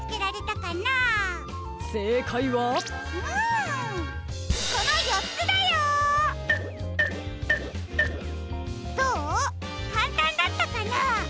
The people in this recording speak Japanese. かんたんだったかな？